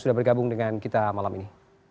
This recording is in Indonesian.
sudah bergabung dengan kita malam ini